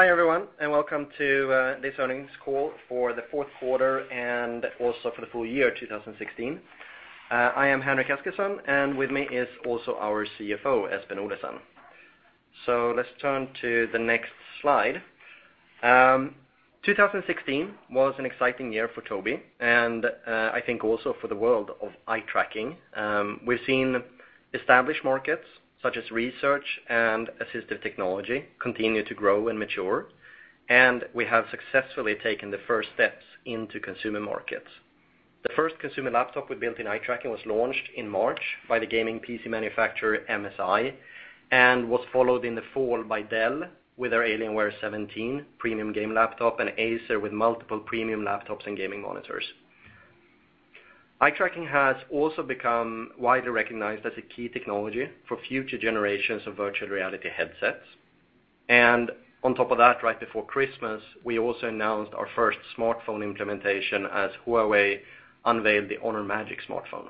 Hi, everyone, and welcome to this earnings call for the fourth quarter and also for the full year 2016. I am Henrik Eskilsson, and with me is also our CFO, Esben Olesen. Let's turn to the next slide. 2016 was an exciting year for Tobii and I think also for the world of eye tracking. We've seen established markets, such as research and assistive technology, continue to grow and mature, and we have successfully taken the first steps into consumer markets. The first consumer laptop with built-in eye tracking was launched in March by the gaming PC manufacturer MSI, and was followed in the fall by Dell with their Alienware 17 premium gaming laptop and Acer with multiple premium laptops and gaming monitors. Eye tracking has also become widely recognized as a key technology for future generations of virtual reality headsets. On top of that, right before Christmas, we also announced our first smartphone implementation as Huawei unveiled the Honor Magic smartphone.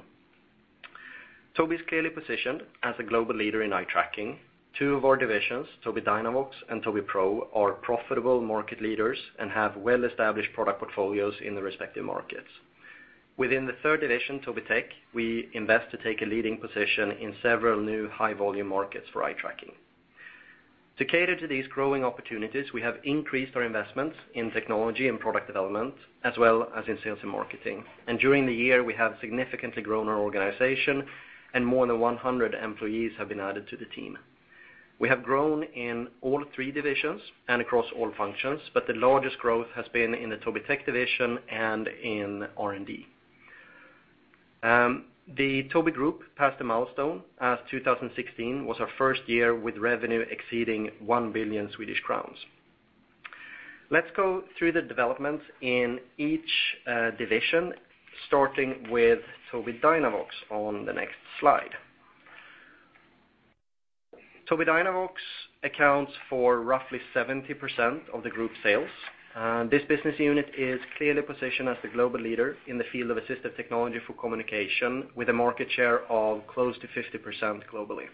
Tobii is clearly positioned as a global leader in eye tracking. Two of our divisions, Tobii Dynavox and Tobii Pro, are profitable market leaders and have well-established product portfolios in the respective markets. Within the third division, Tobii Tech, we invest to take a leading position in several new high-volume markets for eye tracking. To cater to these growing opportunities, we have increased our investments in technology and product development, as well as in sales and marketing. During the year, we have significantly grown our organization and more than 100 employees have been added to the team. We have grown in all three divisions and across all functions, but the largest growth has been in the Tobii Tech division and in R&D. The Tobii group passed a milestone as 2016 was our first year with revenue exceeding 1 billion Swedish crowns. Let's go through the developments in each division, starting with Tobii Dynavox on the next slide. Tobii Dynavox accounts for roughly 70% of the group sales. This business unit is clearly positioned as the global leader in the field of assistive technology for communication, with a market share of close to 50% globally.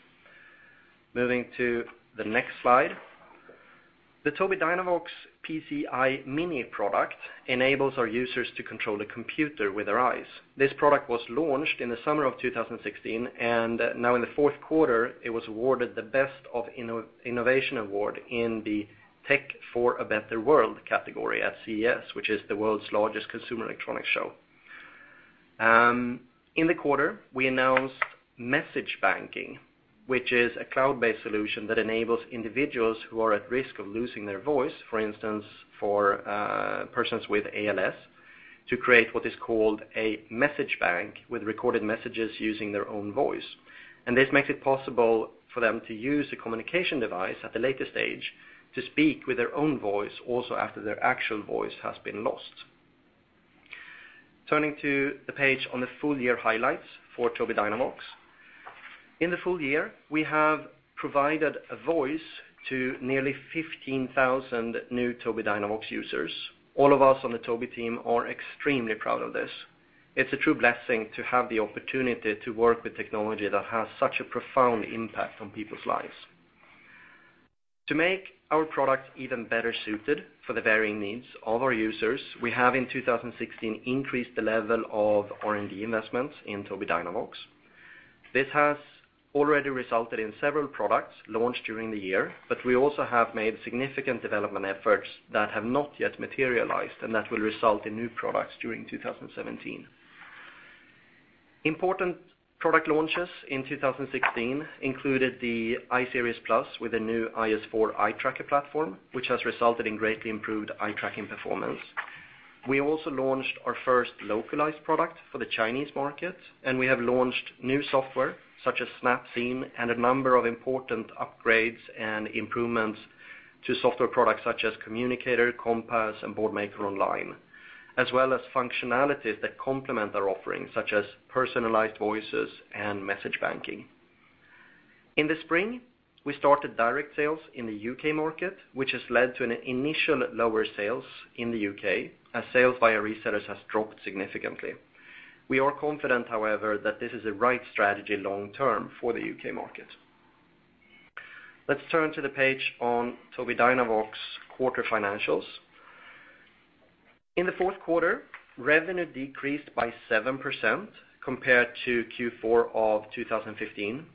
Moving to the next slide. The Tobii Dynavox PCEye Mini product enables our users to control the computer with their eyes. This product was launched in the summer of 2016, and now in the fourth quarter, it was awarded the Best of Innovation Award in the Tech for a Better World category at CES, which is the world's largest consumer electronics show. In the quarter, we announced Message Banking, which is a cloud-based solution that enables individuals who are at risk of losing their voice, for instance, for persons with ALS, to create what is called a message bank with recorded messages using their own voice. This makes it possible for them to use a communication device at a later stage to speak with their own voice also after their actual voice has been lost. Turning to the page on the full year highlights for Tobii Dynavox. In the full year, we have provided a voice to nearly 15,000 new Tobii Dynavox users. All of us on the Tobii team are extremely proud of this. It's a true blessing to have the opportunity to work with technology that has such a profound impact on people's lives. To make our product even better suited for the varying needs of our users, we have in 2016 increased the level of R&D investments in Tobii Dynavox. This has already resulted in several products launched during the year, but we also have made significant development efforts that have not yet materialized and that will result in new products during 2017. Important product launches in 2016 included the I-Series+ with the new IS4 eye-tracker platform, which has resulted in greatly improved eye-tracking performance. We also launched our first localized product for the Chinese market, and we have launched new software such as Snap Scene and a number of important upgrades and improvements to software products such as Communicator, Compass, and Boardmaker Online, as well as functionalities that complement our offerings, such as personalized voices and Message Banking. In the spring, we started direct sales in the U.K. market, which has led to an initial lower sales in the U.K., as sales via resellers has dropped significantly. We are confident, however, that this is the right strategy long-term for the U.K. market. Let's turn to the page on Tobii Dynavox quarter financials. In the fourth quarter, revenue decreased by 7% compared to Q4 of 2015.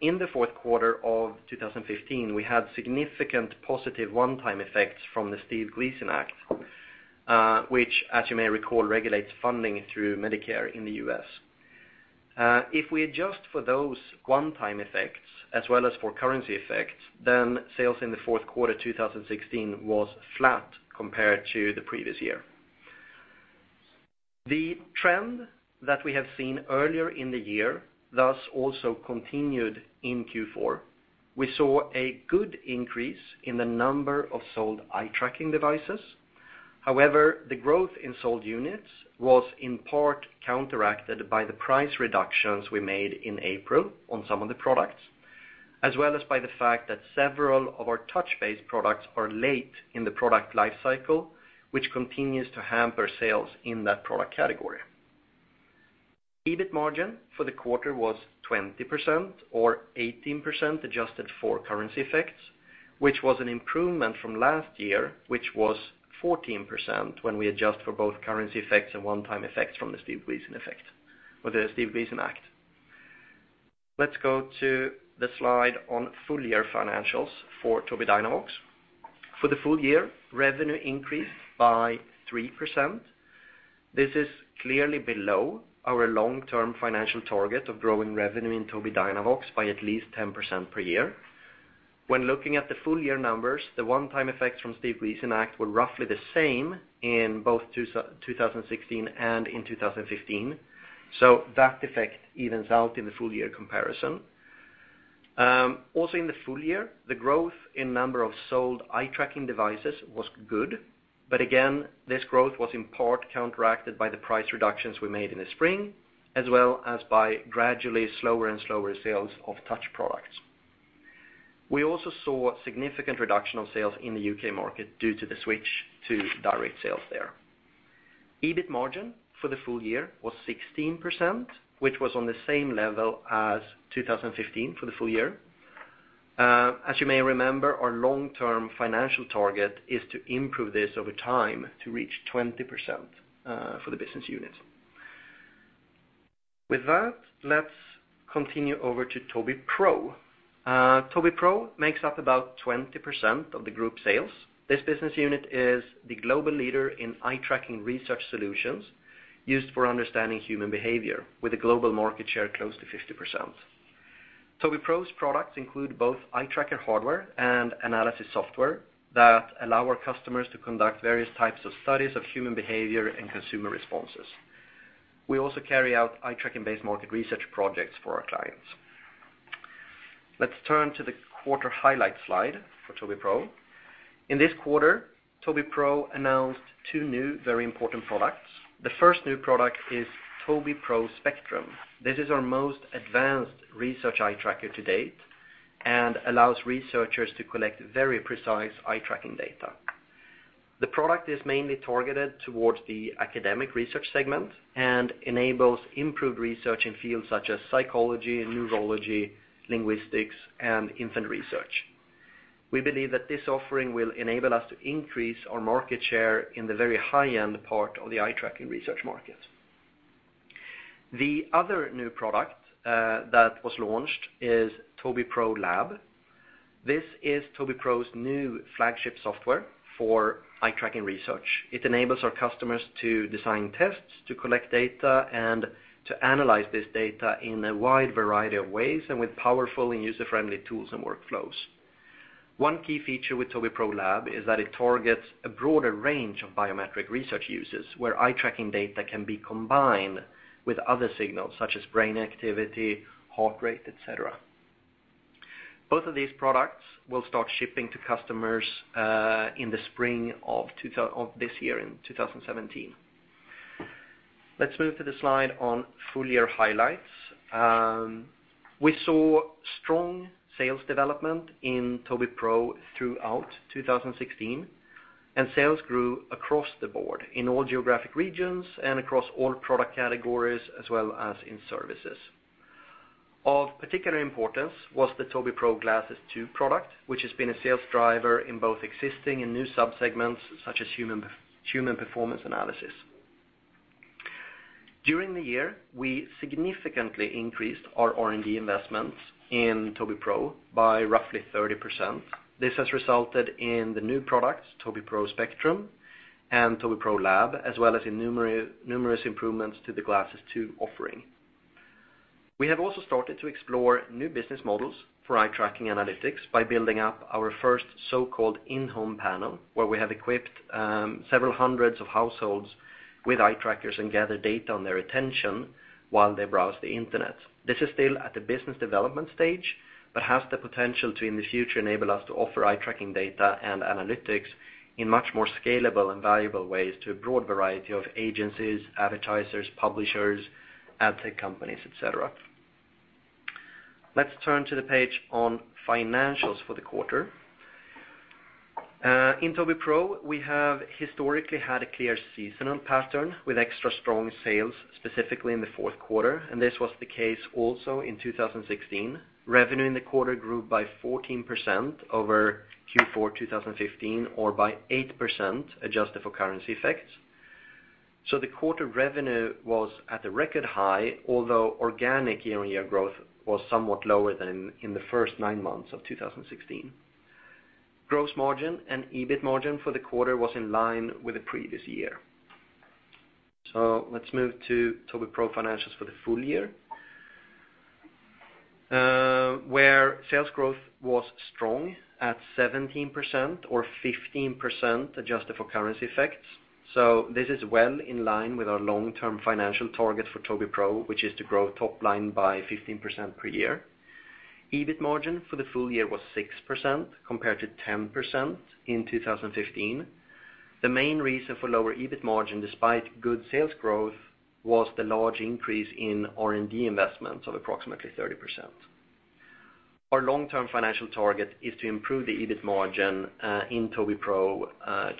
In the fourth quarter of 2015, we had significant positive one-time effects from the Steve Gleason Act, which, as you may recall, regulates funding through Medicare in the U.S. If we adjust for those one-time effects as well as for currency effects, sales in the fourth quarter 2016 was flat compared to the previous year. The trend that we have seen earlier in the year also continued in Q4. We saw a good increase in the number of sold eye-tracking devices. The growth in sold units was in part counteracted by the price reductions we made in April on some of the products, as well as by the fact that several of our touch-based products are late in the product life cycle, which continues to hamper sales in that product category. EBIT margin for the quarter was 20% or 18% adjusted for currency effects, which was an improvement from last year, which was 14% when we adjust for both currency effects and one-time effects from the Steve Gleason effect or the Steve Gleason Act. Let's go to the slide on full-year financials for Tobii Dynavox. For the full year, revenue increased by 3%. This is clearly below our long-term financial target of growing revenue in Tobii Dynavox by at least 10% per year. When looking at the full-year numbers, the one-time effects from Steve Gleason Act were roughly the same in both 2016 and in 2015. That effect evens out in the full-year comparison. In the full year, the growth in number of sold eye-tracking devices was good. This growth was in part counteracted by the price reductions we made in the spring, as well as by gradually slower and slower sales of touch products. We also saw significant reduction of sales in the U.K. market due to the switch to direct sales there. EBIT margin for the full year was 16%, which was on the same level as 2015 for the full year. As you may remember, our long-term financial target is to improve this over time to reach 20% for the business unit. Let's continue over to Tobii Pro. Tobii Pro makes up about 20% of the group sales. This business unit is the global leader in eye-tracking research solutions used for understanding human behavior with a global market share close to 50%. Tobii Pro's products include both eye tracker hardware and analysis software that allow our customers to conduct various types of studies of human behavior and consumer responses. We also carry out eye-tracking-based market research projects for our clients. Let's turn to the quarter highlights slide for Tobii Pro. In this quarter, Tobii Pro announced two new very important products. The first new product is Tobii Pro Spectrum. This is our most advanced research eye tracker to date and allows researchers to collect very precise eye-tracking data. The product is mainly targeted towards the academic research segment and enables improved research in fields such as psychology, neurology, linguistics, and infant research. We believe that this offering will enable us to increase our market share in the very high-end part of the eye-tracking research market. The other new product that was launched is Tobii Pro Lab. This is Tobii Pro's new flagship software for eye-tracking research. It enables our customers to design tests, to collect data, and to analyze this data in a wide variety of ways and with powerful and user-friendly tools and workflows. One key feature with Tobii Pro Lab is that it targets a broader range of biometric research uses where eye-tracking data can be combined with other signals such as brain activity, heart rate, et cetera. Both of these products will start shipping to customers in the spring of this year in 2017. Let's move to the slide on full-year highlights. We saw strong sales development in Tobii Pro throughout 2016, and sales grew across the board in all geographic regions and across all product categories, as well as in services. Of particular importance was the Tobii Pro Glasses 2 product, which has been a sales driver in both existing and new subsegments such as human performance analysis. During the year, we significantly increased our R&D investments in Tobii Pro by roughly 30%. This has resulted in the new products, Tobii Pro Spectrum and Tobii Pro Lab, as well as in numerous improvements to the Glasses 2 offering. We have also started to explore new business models for eye-tracking analytics by building up our first so-called in-home panel, where we have equipped several hundreds of households with eye trackers and gather data on their attention while they browse the Internet. This is still at the business development stage, but has the potential to, in the future, enable us to offer eye-tracking data and analytics in much more scalable and valuable ways to a broad variety of agencies, advertisers, publishers, ad tech companies, et cetera. Let's turn to the page on financials for the quarter. In Tobii Pro, we have historically had a clear seasonal pattern with extra strong sales, specifically in the fourth quarter, and this was the case also in 2016. Revenue in the quarter grew by 14% over Q4 2015, or by 8% adjusted for currency effects. The quarter revenue was at a record high, although organic year-on-year growth was somewhat lower than in the first nine months of 2016. Let's move to Tobii Pro financials for the full year, where sales growth was strong at 17% or 15% adjusted for currency effects. This is well in line with our long-term financial target for Tobii Pro, which is to grow top line by 15% per year. EBIT margin for the full year was 6% compared to 10% in 2015. The main reason for lower EBIT margin, despite good sales growth, was the large increase in R&D investments of approximately 30%. Our long-term financial target is to improve the EBIT margin in Tobii Pro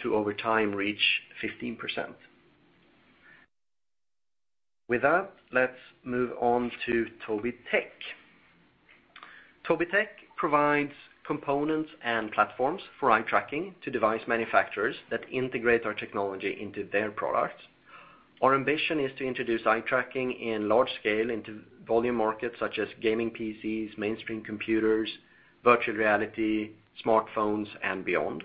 to over time reach 15%. With that, let's move on to Tobii Tech. Tobii Tech provides components and platforms for eye tracking to device manufacturers that integrate our technology into their products. Our ambition is to introduce eye tracking in large scale into volume markets such as gaming PCs, mainstream computers, virtual reality, smartphones, and beyond.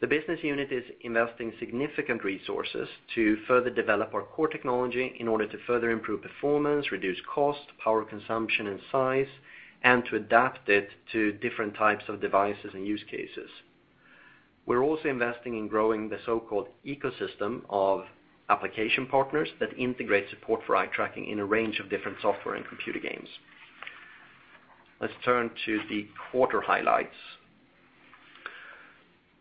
The business unit is investing significant resources to further develop our core technology in order to further improve performance, reduce cost, power consumption, and size, and to adapt it to different types of devices and use cases. We're also investing in growing the so-called ecosystem of application partners that integrate support for eye tracking in a range of different software and computer games. Let's turn to the quarter highlights.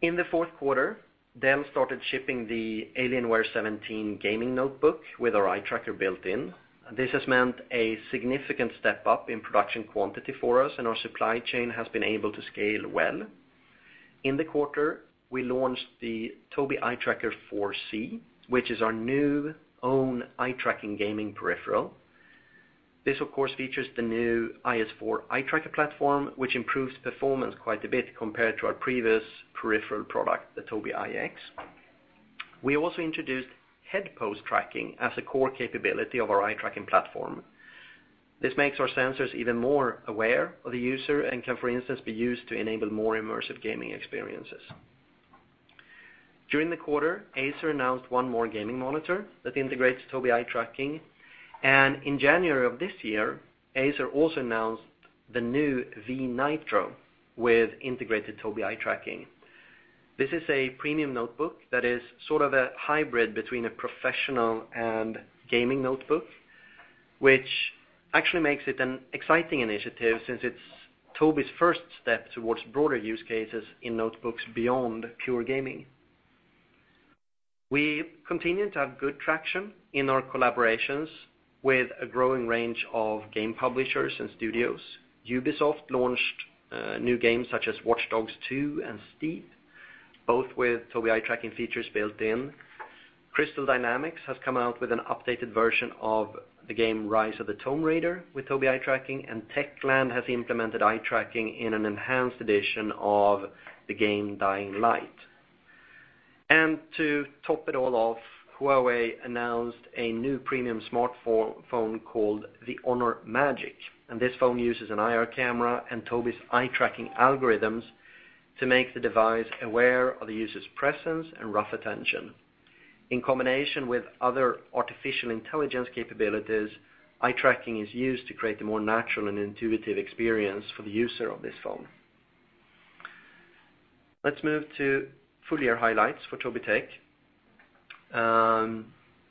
In the fourth quarter, Dell started shipping the Alienware 17 gaming notebook with our eye tracker built in. This has meant a significant step up in production quantity for us, and our supply chain has been able to scale well. In the quarter, we launched the Tobii Eye Tracker 4C, which is our new own eye-tracking gaming peripheral. This, of course, features the new IS4 eye tracker platform, which improves performance quite a bit compared to our previous peripheral product, the Tobii EyeX. We also introduced head pose tracking as a core capability of our eye tracking platform. This makes our sensors even more aware of the user and can, for instance, be used to enable more immersive gaming experiences. During the quarter, Acer announced one more gaming monitor that integrates Tobii eye tracking, and in January of this year, Acer also announced the new V Nitro with integrated Tobii eye tracking. This is a premium notebook that is sort of a hybrid between a professional and gaming notebook, which actually makes it an exciting initiative since it's Tobii's first step towards broader use cases in notebooks beyond pure gaming. We continue to have good traction in our collaborations with a growing range of game publishers and studios. Ubisoft launched new games such as Watch Dogs 2 and Steep, both with Tobii eye tracking features built in. Crystal Dynamics has come out with an updated version of the game Rise of the Tomb Raider with Tobii eye tracking, and Techland has implemented eye tracking in an enhanced edition of the game Dying Light. To top it all off, Huawei announced a new premium smartphone called the Honor Magic, and this phone uses an IR camera and Tobii's eye tracking algorithms to make the device aware of the user's presence and rough attention. In combination with other artificial intelligence capabilities, eye tracking is used to create a more natural and intuitive experience for the user of this phone. Let's move to full-year highlights for Tobii Tech.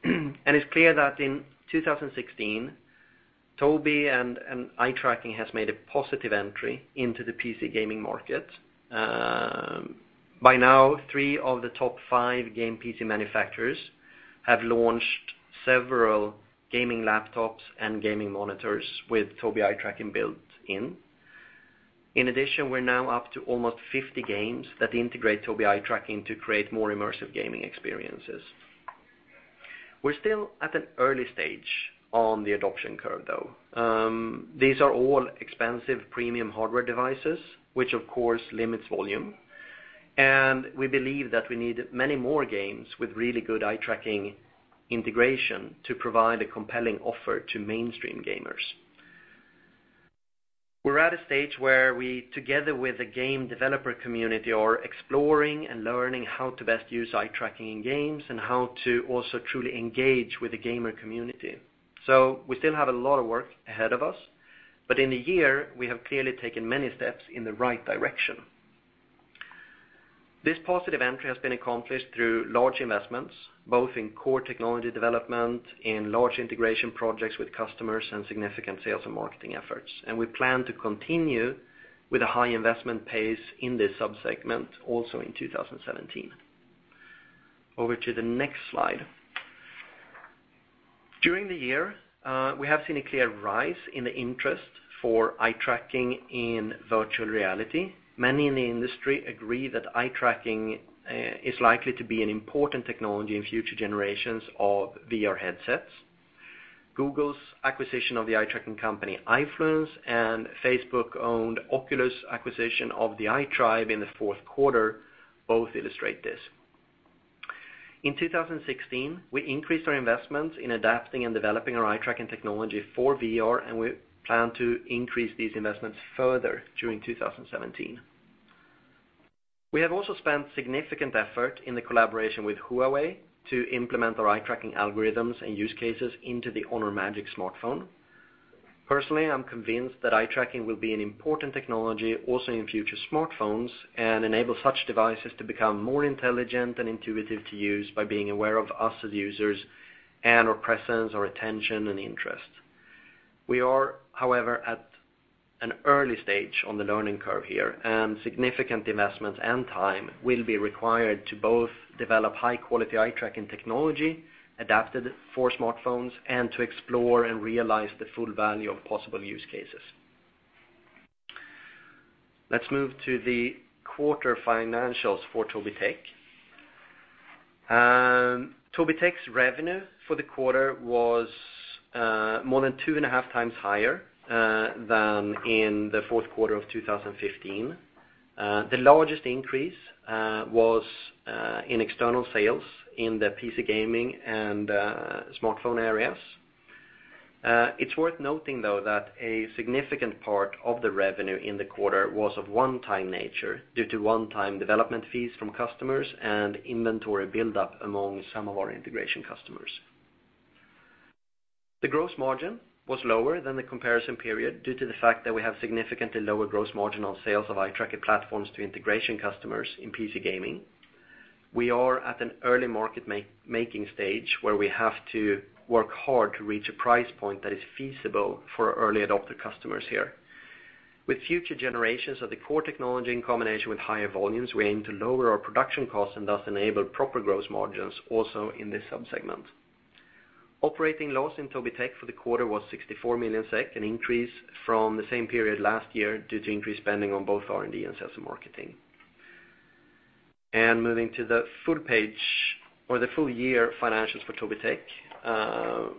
It's clear that in 2016, Tobii and eye tracking has made a positive entry into the PC gaming market. By now, three of the top five game PC manufacturers have launched several gaming laptops and gaming monitors with Tobii eye tracking built in. In addition, we're now up to almost 50 games that integrate Tobii eye tracking to create more immersive gaming experiences. We're still at an early stage on the adoption curve, though. These are all expensive premium hardware devices, which of course limits volume. We believe that we need many more games with really good eye tracking integration to provide a compelling offer to mainstream gamers. We're at a stage where we, together with the game developer community, are exploring and learning how to best use eye tracking in games and how to also truly engage with the gamer community. We still have a lot of work ahead of us, but in a year, we have clearly taken many steps in the right direction. This positive entry has been accomplished through large investments, both in core technology development, in large integration projects with customers, and significant sales and marketing efforts. We plan to continue with a high investment pace in this sub-segment also in 2017. Over to the next slide. During the year, we have seen a clear rise in the interest for eye tracking in virtual reality. Many in the industry agree that eye tracking is likely to be an important technology in future generations of VR headsets. Google's acquisition of the eye-tracking company, Eyefluence, and Facebook-owned Oculus acquisition of the Eye Tribe in the fourth quarter both illustrate this. In 2016, we increased our investments in adapting and developing our eye tracking technology for VR, we plan to increase these investments further during 2017. We have also spent significant effort in the collaboration with Huawei to implement our eye-tracking algorithms and use cases into the Honor Magic smartphone. Personally, I'm convinced that eye tracking will be an important technology also in future smartphones and enable such devices to become more intelligent and intuitive to use by being aware of us as users and our presence, our attention, and interest. We are, however, at an early stage on the learning curve here, and significant investments and time will be required to both develop high-quality eye-tracking technology adapted for smartphones and to explore and realize the full value of possible use cases. Let's move to the quarter financials for Tobii Tech. Tobii Tech's revenue for the quarter was more than two and a half times higher than in the fourth quarter of 2015. The largest increase was in external sales in the PC gaming and smartphone areas. It's worth noting, though, that a significant part of the revenue in the quarter was of one-time nature, due to one-time development fees from customers and inventory build-up among some of our integration customers. The gross margin was lower than the comparison period due to the fact that we have significantly lower gross margin on sales of eye tracking platforms to integration customers in PC gaming. We are at an early market making stage, where we have to work hard to reach a price point that is feasible for early adopter customers here. With future generations of the core technology in combination with higher volumes, we aim to lower our production costs and thus enable proper gross margins also in this sub-segment. Operating loss in Tobii Tech for the quarter was 64 million SEK, an increase from the same period last year due to increased spending on both R&D and sales and marketing. Moving to the full page or the full-year financials for Tobii Tech,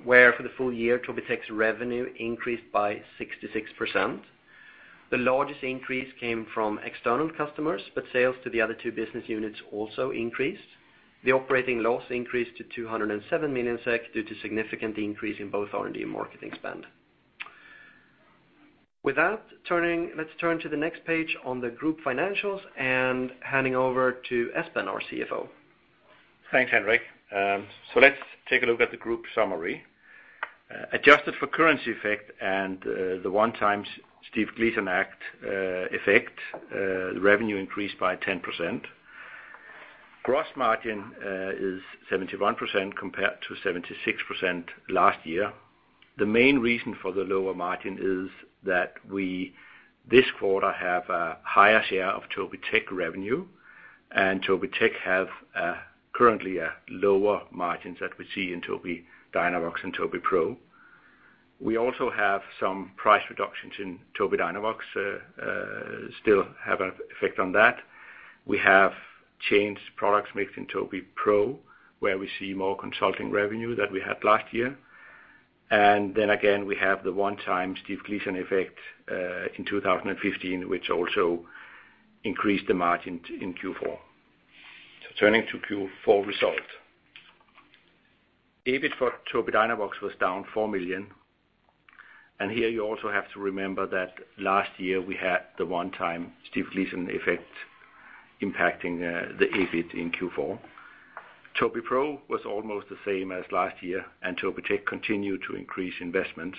where for the full year, Tobii Tech's revenue increased by 66%. The largest increase came from external customers, but sales to the other two business units also increased. The operating loss increased to 207 million SEK due to significant increase in both R&D and marketing spend. With that, let's turn to the next page on the group financials and handing over to Esben, our CFO. Thanks, Henrik. Let's take a look at the group summary. Adjusted for currency effect and the one-time Steve Gleason effect, revenue increased by 10%. Gross margin is 71% compared to 76% last year. The main reason for the lower margin is that we, this quarter, have a higher share of Tobii Tech revenue and Tobii Tech have currently a lower margin that we see in Tobii Dynavox and Tobii Pro. We also have some price reductions in Tobii Dynavox, still have an effect on that. We have changed products mixed in Tobii Pro, where we see more consulting revenue than we had last year. Then again, we have the one-time Steve Gleason effect in 2015, which also increased the margin in Q4. Turning to Q4 results. EBIT for Tobii Dynavox was down 4 million. Here you also have to remember that last year we had the one-time Steve Gleason effect impacting the EBIT in Q4. Tobii Pro was almost the same as last year, Tobii Tech continued to increase investments,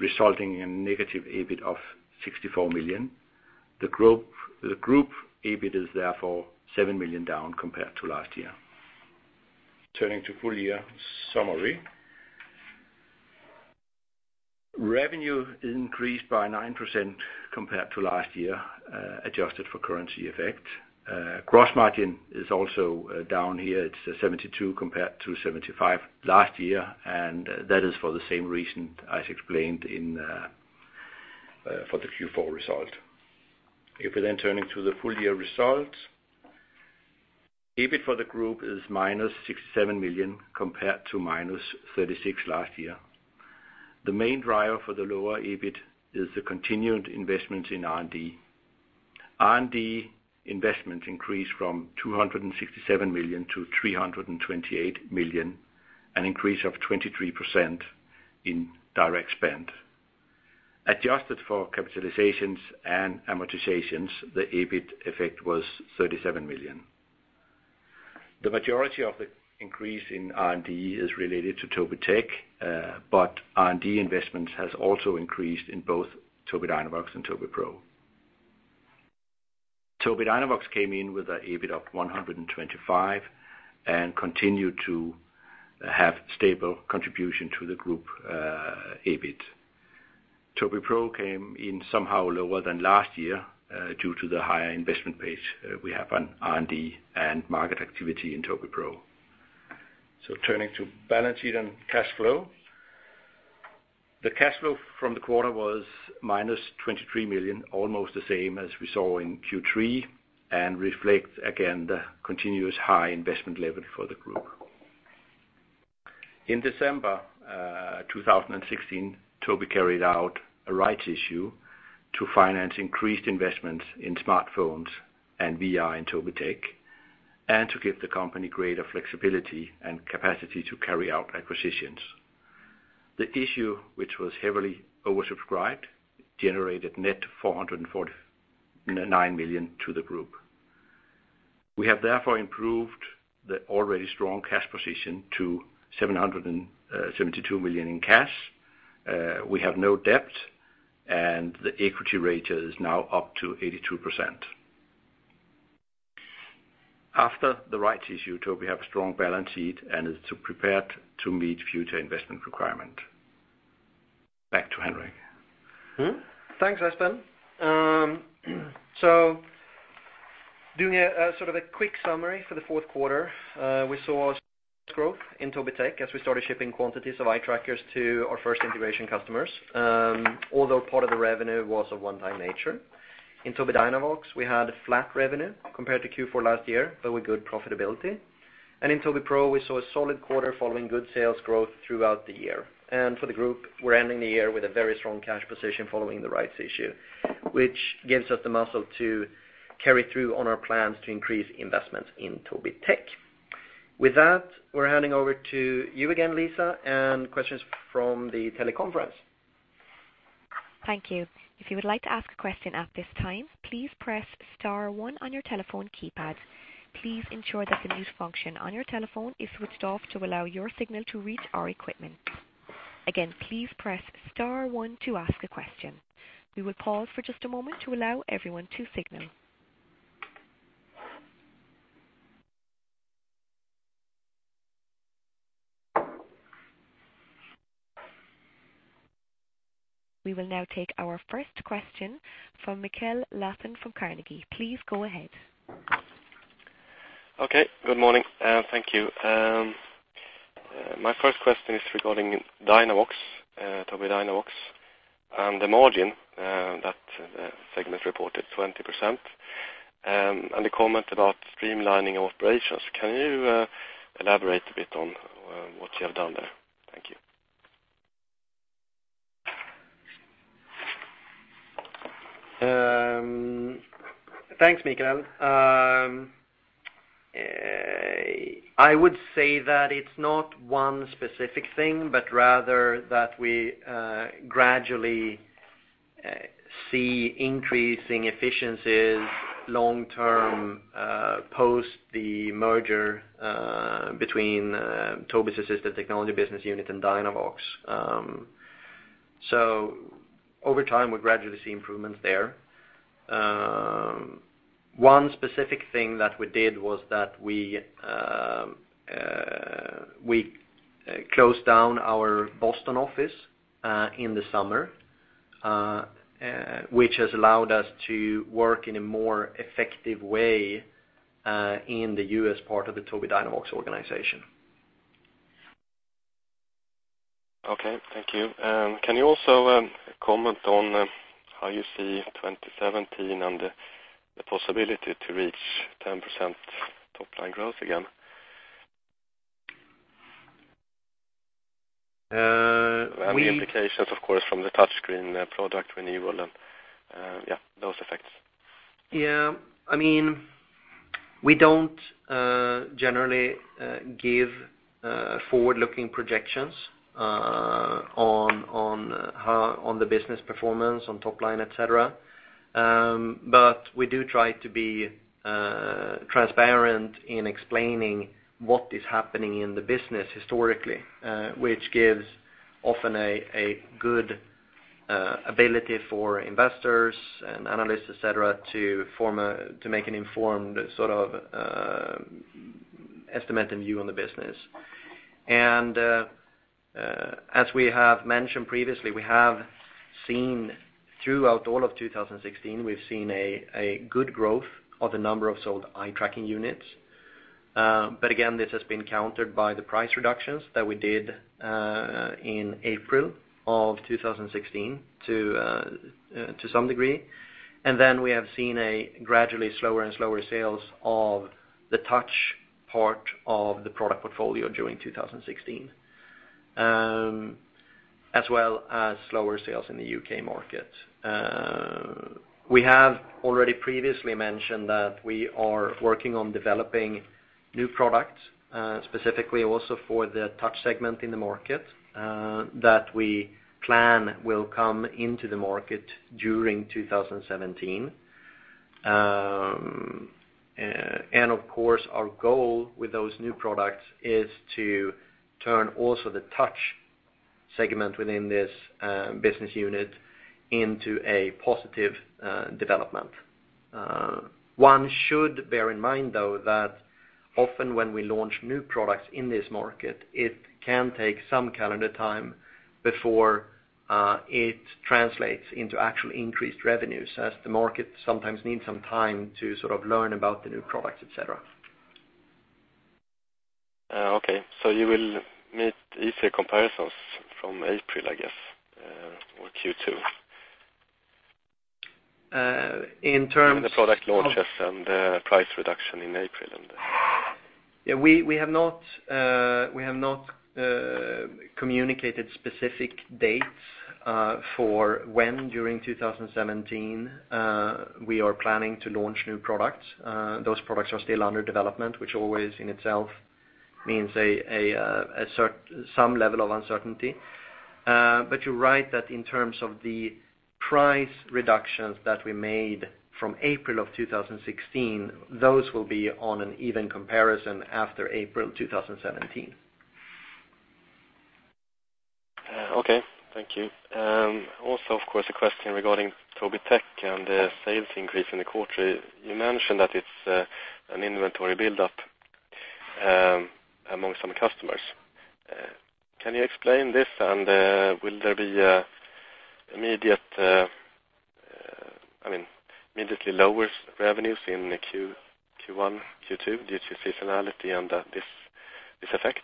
resulting in negative EBIT of 64 million. The group EBIT is therefore 7 million down compared to last year. Turning to full-year summary. Revenue increased by 9% compared to last year, adjusted for currency effect. Gross margin is also down here. It's 72% compared to 75% last year, and that is for the same reason as explained for the Q4 result. Turning to the full-year results, EBIT for the group is minus 67 million compared to minus 36 last year. The main driver for the lower EBIT is the continued investment in R&D. R&D investment increased from 267 million to 328 million, an increase of 23% in direct spend. Adjusted for capitalizations and amortizations, the EBIT effect was 37 million. The majority of the increase in R&D is related to Tobii Tech, but R&D investments has also increased in both Tobii Dynavox and Tobii Pro. Tobii Dynavox came in with an EBIT of 125 and continued to have stable contribution to the group EBIT. Tobii Pro came in somewhat lower than last year due to the higher investment pace we have on R&D and market activity in Tobii Pro. Turning to balance sheet and cash flow. The cash flow from the quarter was minus 23 million, almost the same as we saw in Q3, and reflects again the continuous high investment level for the group. In December 2016, Tobii carried out a rights issue to finance increased investments in smartphones and VR in Tobii Tech, and to give the company greater flexibility and capacity to carry out acquisitions. The issue, which was heavily oversubscribed, generated net 449 million to the group. We have therefore improved the already strong cash position to 772 million in cash. We have no debt, and the equity rate is now up to 82%. After the rights issue, Tobii have a strong balance sheet and is prepared to meet future investment requirement. Back to Henrik. Thanks, Esben. Doing a quick summary for the fourth quarter, we saw growth in Tobii Tech as we started shipping quantities of eye trackers to our first integration customers. Although part of the revenue was a one-time nature. In Tobii Dynavox, we had flat revenue compared to Q4 last year, but with good profitability. In Tobii Pro, we saw a solid quarter following good sales growth throughout the year. For the group, we're ending the year with a very strong cash position following the rights issue, which gives us the muscle to carry through on our plans to increase investments in Tobii Tech. With that, we're handing over to you again, Lisa, and questions from the teleconference. Thank you. If you would like to ask a question at this time, please press star one on your telephone keypad. Please ensure that the mute function on your telephone is switched off to allow your signal to reach our equipment. Again, please press star one to ask a question. We will pause for just a moment to allow everyone to signal. We will now take our first question from Mikael Lathén from Carnegie. Please go ahead. Okay. Good morning. Thank you. My first question is regarding Tobii Dynavox and the margin that the segment reported 20%. The comment about streamlining operations. Can you elaborate a bit on what you have done there? Thank you. Thanks, Mikael. I would say that it's not one specific thing, but rather that we gradually see increasing efficiencies long-term, post the merger between Tobii's assistive technology business unit and DynaVox. Over time, we gradually see improvements there. One specific thing that we did was that we closed down our Boston office in the summer, which has allowed us to work in a more effective way, in the U.S. part of the Tobii Dynavox organization. Okay, thank you. Can you also comment on how you see 2017 and the possibility to reach 10% top-line growth again? We- The implications, of course, from the touchscreen product renewal and those effects. We don't generally give forward-looking projections on the business performance, on top-line, et cetera. We do try to be transparent in explaining what is happening in the business historically, which gives often a good ability for investors and analysts, et cetera, to make an informed estimate and view on the business. As we have mentioned previously, throughout all of 2016, we've seen a good growth of the number of sold eye tracking units. Again, this has been countered by the price reductions that we did in April of 2016 to some degree. We have seen gradually slower and slower sales of the touch part of the product portfolio during 2016, as well as slower sales in the U.K. market. We have already previously mentioned that we are working on developing new products, specifically also for the touch segment in the market, that we plan will come into the market during 2017. Of course, our goal with those new products is to turn also the touch segment within this business unit into a positive development. One should bear in mind, though, that often when we launch new products in this market, it can take some calendar time before it translates into actual increased revenues, as the market sometimes needs some time to learn about the new products, et cetera. You will meet easier comparisons from April, I guess, or Q2. In terms of. The product launches and the price reduction in April. Yeah, we have not communicated specific dates for when during 2017 we are planning to launch new products. Those products are still under development, which always in itself means some level of uncertainty. But you're right that in terms of the price reductions that we made from April of 2016, those will be on an even comparison after April 2017. Okay, thank you. Also, of course, a question regarding Tobii Tech and the sales increase in the quarter. You mentioned that it's an inventory buildup amongst some customers. Can you explain this? Will there be immediately lower revenues in Q1, Q2 due to seasonality and this effect?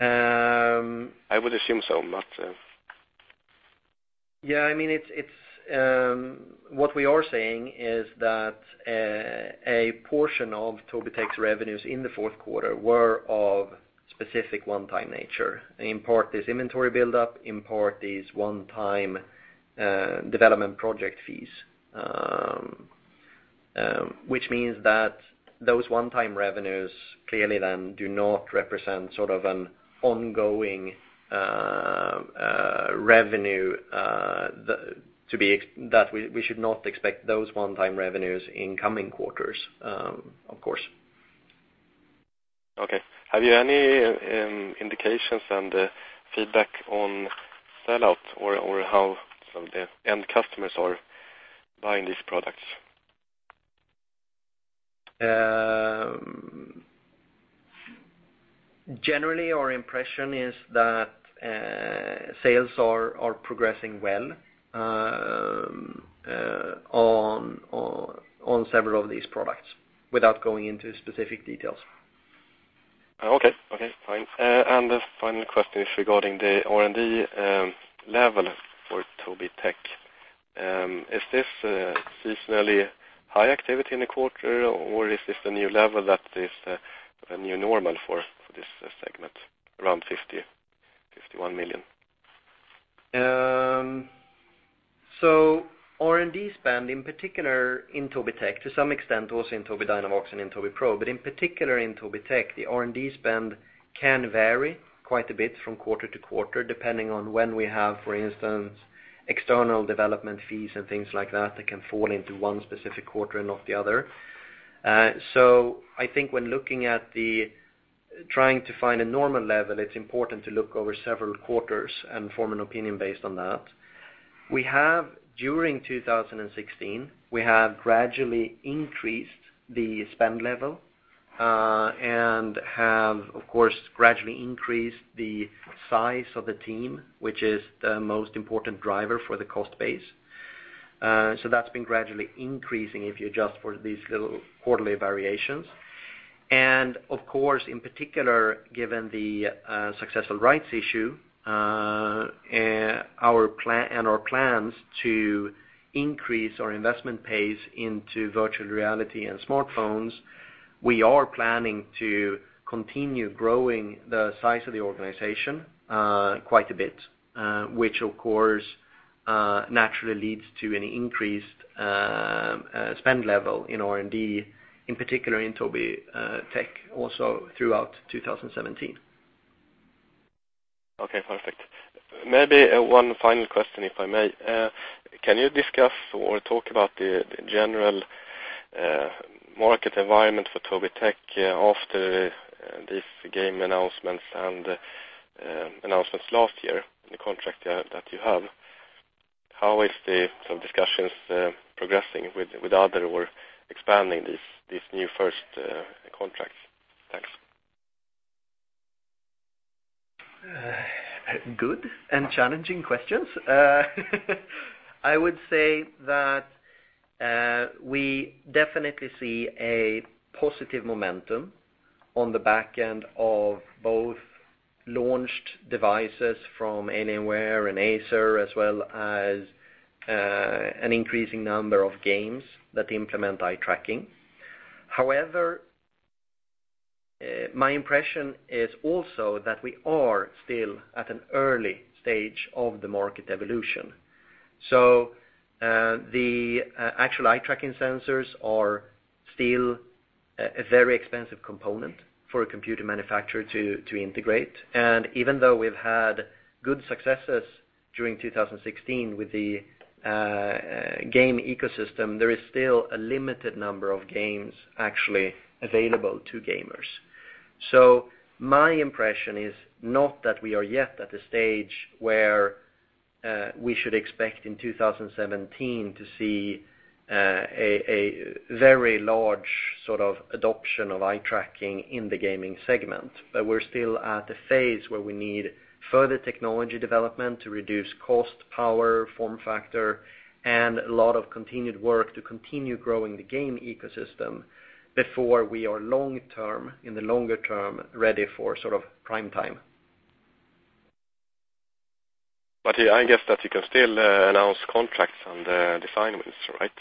I would assume so. Yeah. What we are saying is that a portion of Tobii Tech's revenues in the fourth quarter were of specific one-time nature. In part, this inventory buildup, in part, these one-time development project fees, which means that those one-time revenues clearly then do not represent an ongoing revenue, that we should not expect those one-time revenues in coming quarters, of course. Okay. Have you any indications and feedback on sellout or how some of the end customers are buying these products? Generally, our impression is that sales are progressing well on several of these products, without going into specific details. Okay. Fine. The final question is regarding the R&D level for Tobii Tech. Is this a seasonally high activity in the quarter, or is this a new level that is a new normal for this segment around 50 million-51 million? R&D spend, in particular in Tobii Tech, to some extent also in Tobii Dynavox and in Tobii Pro, but in particular in Tobii Tech, the R&D spend can vary quite a bit from quarter to quarter, depending on when we have, for instance, external development fees and things like that can fall into one specific quarter and not the other. I think when trying to find a normal level, it's important to look over several quarters and form an opinion based on that. During 2016, we have gradually increased the spend level, and have, of course, gradually increased the size of the team, which is the most important driver for the cost base. That's been gradually increasing if you adjust for these little quarterly variations. Of course, in particular, given the successful rights issue, and our plans to increase our investment pace into virtual reality and smartphones, we are planning to continue growing the size of the organization quite a bit, which of course, naturally leads to an increased spend level in R&D, in particular in Tobii Tech, also throughout 2017. Okay, perfect. Maybe one final question, if I may. Can you discuss or talk about the general market environment for Tobii Tech after these game announcements and announcements last year, the contract that you have? How is the sort of discussions progressing with other or expanding these new first contracts? Thanks. Good and challenging questions. I would say that we definitely see a positive momentum on the back end of both launched devices from Alienware and Acer, as well as an increasing number of games that implement eye tracking. My impression is also that we are still at an early stage of the market evolution. The actual eye tracking sensors are still a very expensive component for a computer manufacturer to integrate. Even though we've had good successes during 2016 with the game ecosystem, there is still a limited number of games actually available to gamers. My impression is not that we are yet at the stage where we should expect in 2017 to see a very large adoption of eye tracking in the gaming segment. We're still at the phase where we need further technology development to reduce cost, power, form factor, and a lot of continued work to continue growing the game ecosystem before we are in the longer term, ready for prime time. I guess that you can still announce contracts and design wins, right?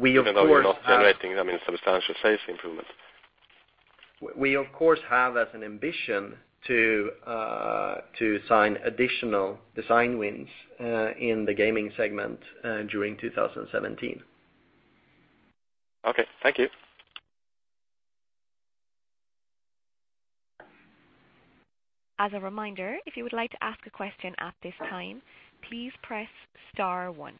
We of course have- Even though you're not generating substantial sales improvements. We of course have as an ambition to sign additional design wins in the gaming segment during 2017. Okay. Thank you. As a reminder, if you would like to ask a question at this time, please press star one.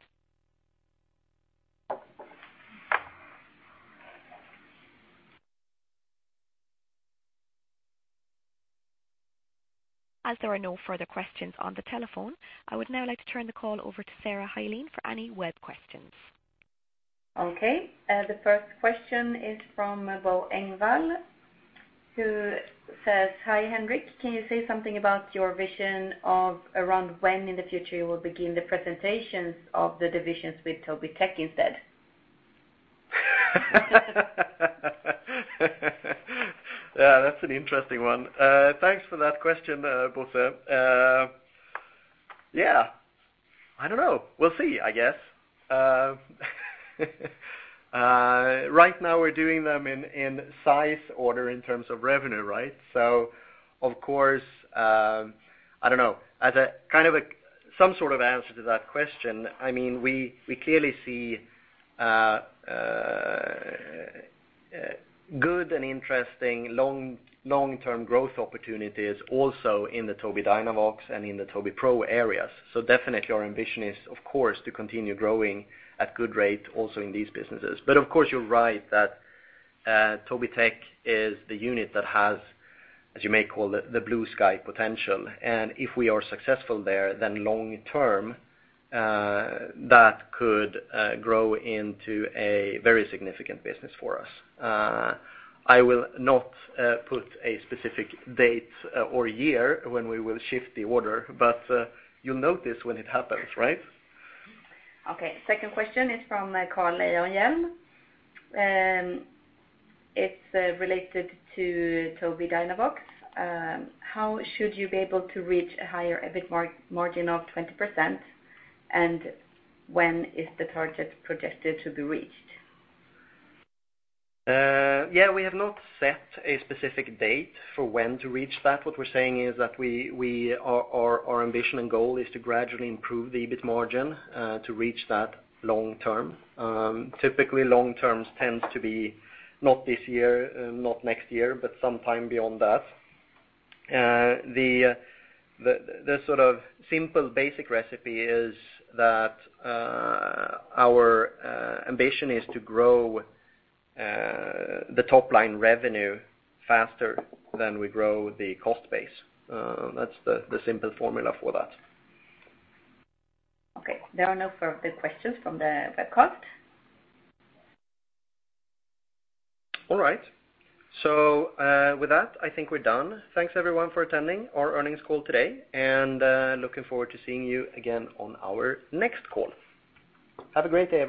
As there are no further questions on the telephone, I would now like to turn the call over to Sara Hyléen for any web questions. Okay. The first question is from Bo Engvall, who says, "Hi, Henrik. Can you say something about your vision of around when in the future you will begin the presentations of the divisions with Tobii Tech instead? That's an interesting one. Thanks for that question, Bo. I don't know. We'll see, I guess. Right now we're doing them in size order in terms of revenue, right? Of course, I don't know. As some sort of answer to that question, we clearly see good and interesting long-term growth opportunities also in the Tobii Dynavox and in the Tobii Pro areas. Definitely our ambition is, of course, to continue growing at good rate also in these businesses. Of course, you're right that Tobii Tech is the unit that has, as you may call it, the blue sky potential, and if we are successful there, then long-term, that could grow into a very significant business for us. I will not put a specific date or year when we will shift the order, but you'll notice when it happens, right? Okay. Second question is from Carl Leijonhufvud. It is related to Tobii Dynavox. How should you be able to reach a higher EBIT margin of 20%? When is the target projected to be reached? We have not set a specific date for when to reach that. What we are saying is that our ambition and goal is to gradually improve the EBIT margin, to reach that long-term. Typically, long-term tends to be not this year, not next year, but sometime beyond that. The simple basic recipe is that our ambition is to grow the top-line revenue faster than we grow the cost base. That is the simple formula for that. Okay. There are no further questions from the webcast. All right. With that, I think we are done. Thanks, everyone, for attending our earnings call today, and looking forward to seeing you again on our next call. Have a great day.